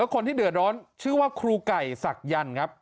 คนที่เดือดร้อนชื่อว่าครูไก่ศักยันต์ครับ